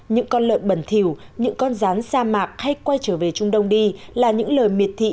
những con lợn bẩn thiểu những con rán sa mạc hay quay trở về trung đông đi là những lời miệt thị